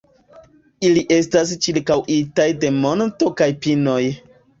Ili estas ĉirkaŭitaj de monto kaj pinoj.